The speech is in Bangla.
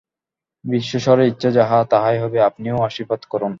বিশ্বেশ্বরের ইচ্ছা যাহা, তাহাই হইবে, আপনিও আশীর্বাদ করুন।